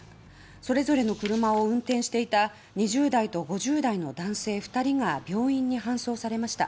それぞれの車を運転していた２０代と５０代の男性２人が病院に搬送されました。